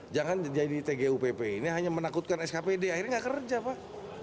jangan jadi tgupp ini hanya menakutkan skpd akhirnya nggak kerja pak